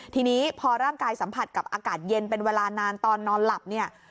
ทีนี้พอร่างกายสัมผัสกับอากาศเย็นเป็นเวลานานตอนนอนหลับเนี่ย